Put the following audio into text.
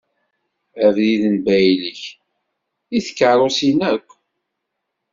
Abrid n baylek i tkerrusin akk.